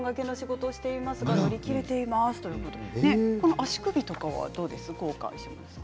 足首はどうですか？